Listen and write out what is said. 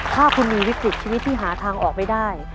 ถ้าคุณมีวิกฤตชีวิตที่หาทางออกไม่ได้